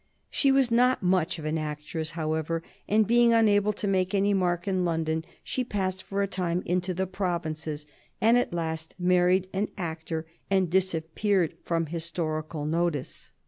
She was not much of an actress, however, and, being unable to make any mark in London, she passed for a time into the provinces, and at last married an actor and disappeared from historical notice.